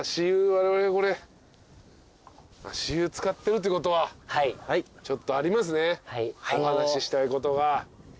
われわれこれ足湯漬かってるってことはちょっとありますねお話ししたいことが。